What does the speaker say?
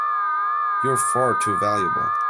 You're far too valuable!